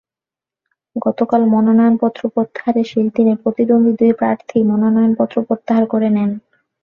গতকাল মনোনয়নপত্র প্রত্যাহারের শেষ দিনে প্রতিদ্বন্দ্বী দুই প্রার্থী মনোনয়নপত্র প্রত্যাহার করে নেন।